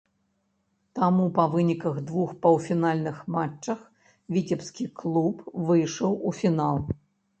Таму па выніках двух паўфінальных матчах віцебскі клуб выйшаў у фінал.